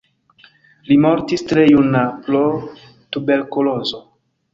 Li mortis tre juna pro tuberkulozo.